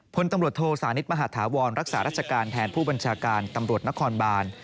พลตำรวจโทสานิทมหาธาวรรักษารัชการแทนผู้บัญชาการตำรวจนครบาน